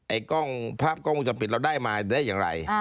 ไอ้ภาพกล้องอุจจัดปิดเราได้มาได้อย่างไร